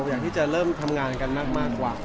อยากที่จะเริ่มทำงานกันมากกว่า